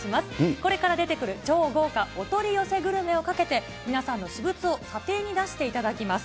これから出てくる超豪華お取り寄せグルメをかけて皆さんの私物を査定に出していただきます。